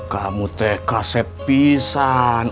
kamu teka sepisan